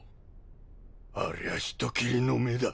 ありゃあ人斬りの目だ。